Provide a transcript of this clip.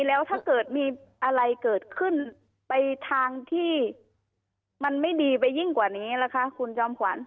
แล้วถ้าเกิดมีอะไรเกิดขึ้นไปทางที่มันไม่ดีไปยิ่งกว่านี้ล่ะคะคุณจอมขวัญ